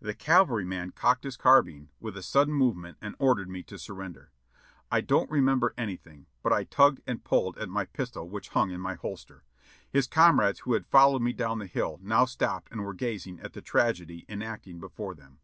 The cavalryman cocked his car bine with a sudden movement and ordered me to surrender. I don't remember anything ; but I tugged and pulled at my pistol which hung in my holster. His conn ades who had followed me down the hill now stopped and were gazing at the tragedy enact ing before them.